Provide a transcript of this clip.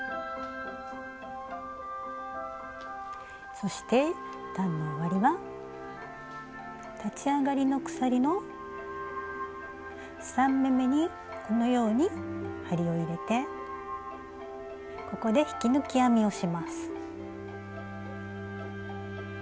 そして段の終わりは立ち上がりの鎖の３目めにこのように針を入れてここで引き抜き編みをします。